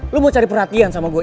lo mau cari perhatian sama gue